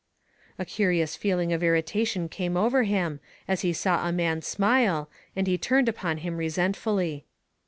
A curious feeling of irritation came over him as he saw a man smile, and he turned upon him resentfully.